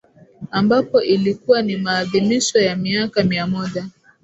ambapo ilikuwa ni maadhimisho ya miaka mia moja